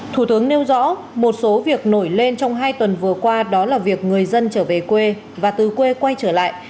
thủ tướng nêu rõ một số việc nổi lên trong hai tuần vừa qua đó là việc người dân trở về quê và từ quê quay trở lại